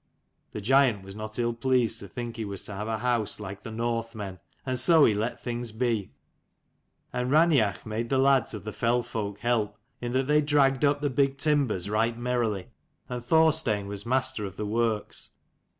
The giant was not ill pleased to think he was to have a house like the Northmen, and so he let things be : and Raineach made the lads of the fell folk help, in that they dragged up the big timbers right merrily, and Thorstein was master of the works.